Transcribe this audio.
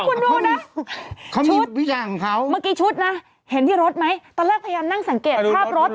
คุณดูนะเขามีชุดวิจัยของเขาเมื่อกี้ชุดนะเห็นที่รถไหมตอนแรกพยายามนั่งสังเกตภาพรถ